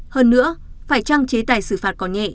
hơn nữa phải trang chế tài xử phạt có nhẹ